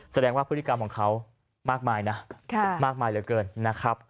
แสดงว่าพฤติกรรมของเขามากมายนะมากมายเหลือเกินนะครับ